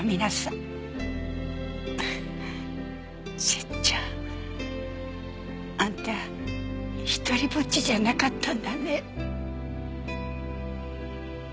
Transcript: セッちゃんあんた独りぼっちじゃなかったんだね。